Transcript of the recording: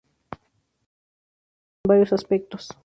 Esto es atípico en varios aspectos.